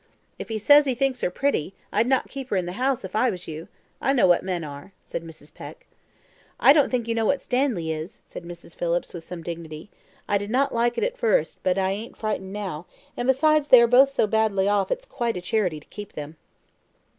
"If he says he thinks her pretty, I'd not keep her in the house if I was you. I know what men are," said Mrs. Peck. "I don't think you know what Stanley is," said Mrs. Phillips, with some dignity. "I did not like it at first, but I ain't frightened now; and besides, they are both so badly off it's quite a charity to keep them."